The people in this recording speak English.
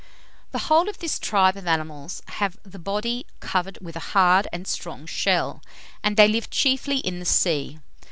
The whole of this tribe of animals have the body covered with a hard and strong shell, and they live chiefly in the sea.